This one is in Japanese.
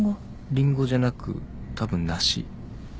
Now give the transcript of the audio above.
リンゴじゃなくたぶん梨。